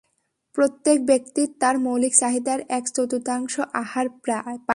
প্রত্যেক ব্যক্তি তার মৌলিক চাহিদার এক-চতুর্থাংশ আহার পায়।